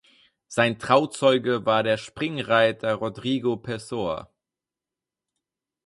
Sein Trauzeuge war der Springreiter Rodrigo Pessoa.